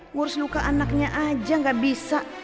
ngurus luka anaknya aja gak bisa